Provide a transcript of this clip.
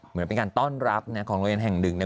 เหมือนเป็นการต้อนรับของโรงเรียนแห่งหนึ่ง